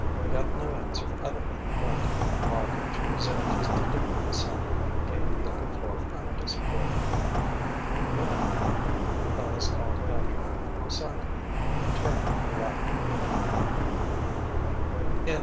He got no answer other than a grunt. Marbridge resumed his deliberate ascent, gained the upper floor, and disappeared. "Good night!" Matthias called after him, softly; and turned out the light.